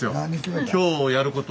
今日やること。